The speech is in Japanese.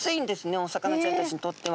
お魚ちゃんたちにとっては。